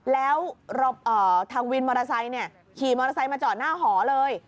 แล้วทางวินมอเตอร์ไซค์ขี่มอเตอร์ไซค์มาจอดหน้าหอเลย